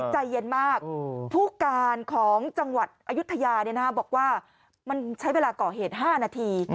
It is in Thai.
ใจเย็นมากผู้การของจังหวัดอายุทยาบอกว่ามันใช้เวลาก่อเหตุ๕นาที